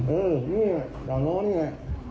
เออนี่นะด่านรนเนี่ย